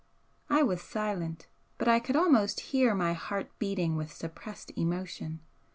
I was silent, but I could almost hear my heart beating with suppressed emotion.